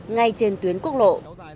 ngay trên tuyến quốc lộ